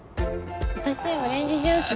私オレンジジュースで。